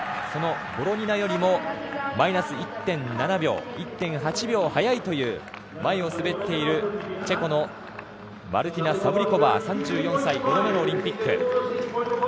そのボロニナよりもマイナス１．７秒、１．８秒早いという前を滑っているチェコのマルティナ・サブリコバー３４歳、５度目のオリンピック。